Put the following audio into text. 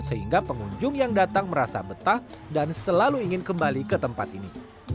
sehingga pengunjung yang datang merasa betah dan selalu ingin kembali ke tempat ini